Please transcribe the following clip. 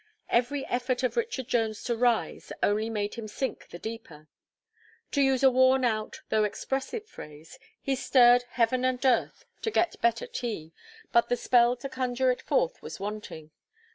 Every effort of Richard Jones to rise, only made him sink the deeper. To use a worn out, though expressive phrase, he stirred heaven and earth to get better tea; but the spell to conjure it forth was wanting.